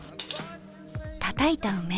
たたいた梅。